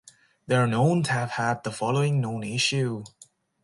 They are known to have had the following known issue.